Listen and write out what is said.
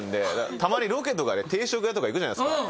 たまにロケとかで定食屋とか行くじゃないですか。